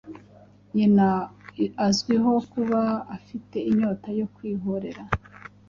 Nyina azwiho kuba afite inyota yo kwihorera